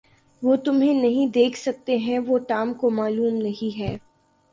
وہ تمہیں نہیں دیکھ سکتے ہیں وہ ٹام کو معلوم نہیں ہے